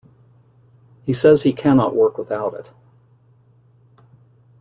He says he cannot work without it.